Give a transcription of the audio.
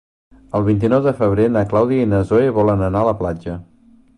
El vint-i-nou de febrer na Clàudia i na Zoè volen anar a la platja.